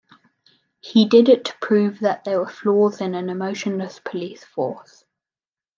He did it to prove that there were flaws in an emotionless police force.